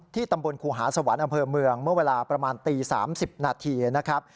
ตำบลครูหาสวรรค์อำเภอเมืองเมื่อเวลาประมาณตี๓๐นาทีนะครับ